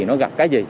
nó gặp cái gì